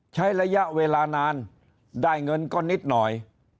ใช้ระยะเวลานานได้เงินก็นิดหน่อย